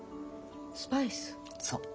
そう。